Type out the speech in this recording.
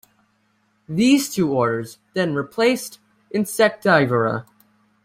These two orders then replaced Insectivora.